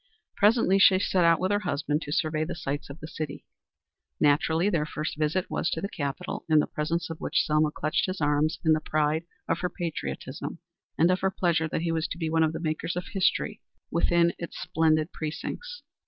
Presently she set out with her husband to survey the sights of the city. Naturally their first visit was to the Capitol, in the presence of which Selma clutched his arm in the pride of her patriotism and of her pleasure that he was to be one of the makers of history within its splendid precincts.